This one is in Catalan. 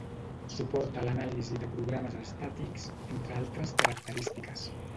Suporta l'anàlisi de programes estàtics, entre altres característiques.